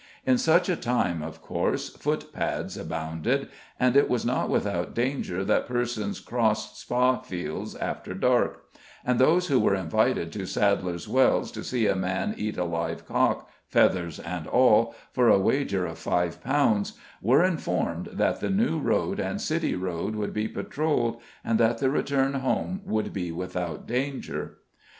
In such a time, of course, foot pads abounded, and it was not without danger that persons crossed Spa Fields after dark; and those who were invited to Sadler's Wells, to see a man eat a live cock, feathers and all, for a wager of £5, were informed that the New Road and City Road would be patrolled, and that the return home would be without danger.